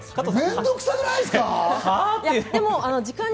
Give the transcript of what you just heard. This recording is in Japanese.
めんどくさくないですか？